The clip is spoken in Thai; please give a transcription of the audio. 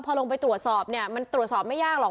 พอลงไปตรวจสอบเนี่ยมันตรวจสอบไม่ยากหรอก